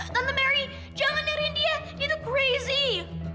tante mary jangan nyeriin dia dia tuh gila